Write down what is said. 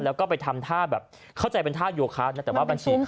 แล้วก็ไปทำท่าแบบเข้าใจเป็นท่ายูโอคาร์ดนะแต่ว่าบัญชีขาแบบ